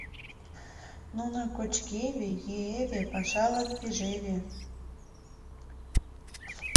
Нуно кочкеве, йӱэве, пашалан пижеве.